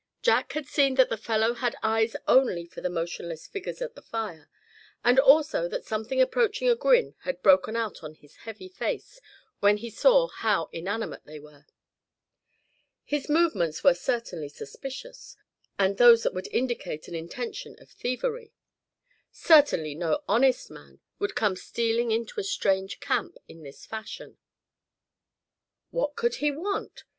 Jack had seen that the fellow had eyes only for the motionless figures at the fire; and also that something approaching a grin had broken out on his heavy face when he saw how inanimate they were. His movements were certainly suspicious, and those that would indicate an intention of thievery. Certainly no honest man would come stealing into a strange camp in this fashion. What could he want?